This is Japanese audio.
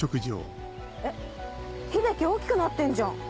えっ秀樹大きくなってんじゃん。